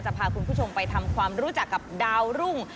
พาคุณผู้ชมไปทำความรู้จักกับดาวรุ่ง